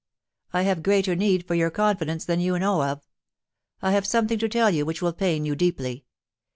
I have greater need for your confidence than you know of. I have something to tell you which will pain you deeply.